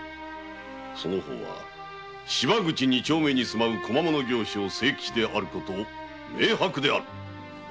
その方は芝口二丁目に住まう小間物商・清吉である事明白！